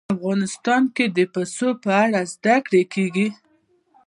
افغانستان کې د پسه په اړه زده کړه کېږي.